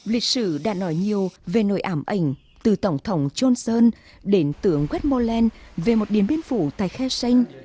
lịch sử đã nói nhiều về nội ảm ảnh từ tổng thống johnson đến tướng westmoreland về một biến biến phủ tại khe xanh